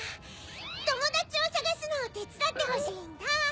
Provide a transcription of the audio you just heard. ともだちをさがすのてつだってほしいんだ。